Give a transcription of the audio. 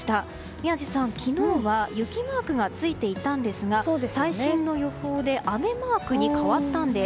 宮司さん、昨日は雪マークがついていたんですが最新の予報で雨マークに変わったんです。